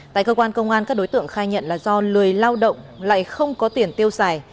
tại cơ quan công an các đối tượng khai nhận là do lười lao động lại không có tiền tiêu xài